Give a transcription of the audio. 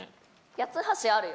八ツ橋あるよ。